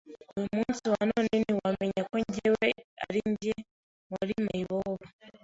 uyu munsi wa none ntiwamenya ko njyewe ari njye wari mayibobo